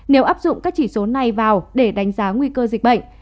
nếu áp dụng các chỉ số này vào để đánh giá nguy cơ dịch bệnh